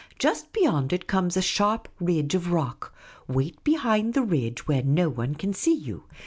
Just beyond it comes a sharp ridge of rock. Wait behind the ridge where no one can see you.